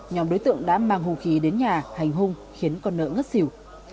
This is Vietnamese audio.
nhóm đối tượng đã mang hung khí đến nhà hành hung khiến con nợ ngất xỉu